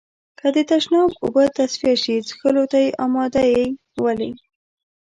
که د تشناب اوبه تصفيه شي، څښلو ته يې آماده يئ؟ ولې؟